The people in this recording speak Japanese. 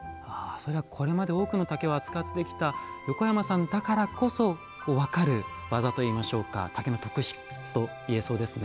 これまで多くの竹を扱ってきた横山さんだからこそ分かる技といいましょうか竹の特質と言えそうですね。